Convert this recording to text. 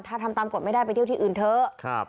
ถ้าทำตามกฎไม่ได้ไปเที่ยวที่อื่นเถอะ